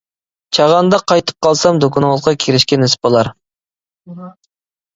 چاغاندا قايتىپ قالسام دۇكىنىڭىزغا كىرىشكە نېسىپ بولار.